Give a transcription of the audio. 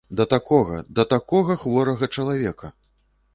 Да такога, да такога хворага чалавека!